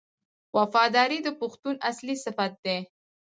وفاداري د پښتون اصلي صفت دی.